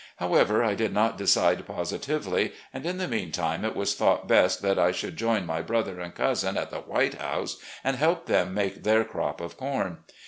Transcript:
However, I did not decide positively, and in the meantime it was thought best that I should join my brother and cousin at the White House and help them make their crop of corn.